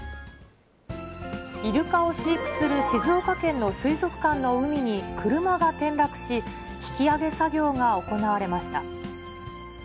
イルカを飼育する静岡県の水族館の海に車が転落し、引き揚げ作業が行われました。